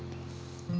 di tempat lo